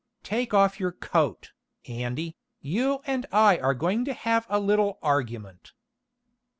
Take off your coat, Andy. You and I are going to have a little argument."